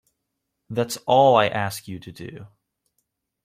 That's all I ask you to do.